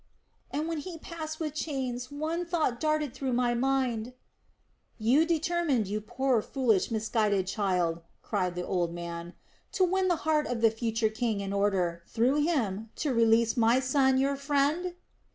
"And when he passed with chains one thought darted through my mind...." "You determined, you dear, foolish, misguided child," cried the old man, "to win the heart of the future king in order, through him, to release my son, your friend?"